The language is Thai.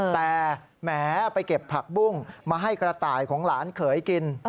แต่แหมไปเก็บผักบุ้งมาให้กระต่ายของหลานเขยกิน